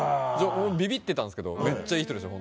ビビってたんですけどめっちゃいい人でした。